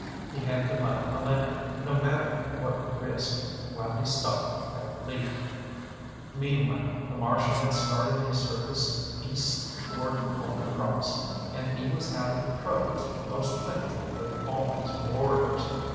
He had to light a lantern, no matter what the risk, while he stopped that bleeding. Meanwhile the Marshal had started his circus east toward Holy Cross, and he was having troubles most plentiful with all his warriors.